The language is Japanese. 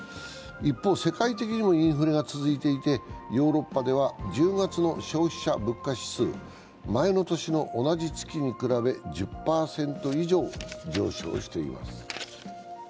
一方、世界的にもインフレが続いていて、ヨーロッパでは、１０月の消費者物価指数、前の年の同じ月に比べ１０％以上上昇しています。